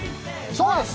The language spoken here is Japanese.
そうです。